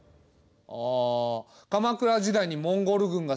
ああ鎌倉時代にモンゴル軍が攻めてきたあれ？